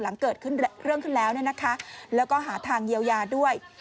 หลังเกิดเรื่องขึ้นแล้วแล้วก็หาทางเยียวยาด้วย